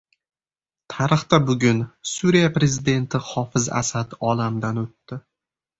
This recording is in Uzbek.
Tarixda bugun: Suriya prezidenti Hofiz Asad olamdan o‘tdi